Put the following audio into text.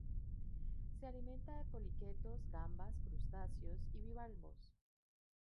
Se alimenta de poliquetos, gambas, crustáceos y bivalvos.